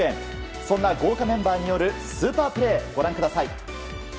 そんな豪華メンバーによるスーパープレーご覧ください。